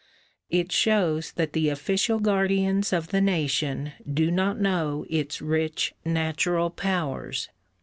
It shows that the official guardians of the nation do not know its rich natural powers.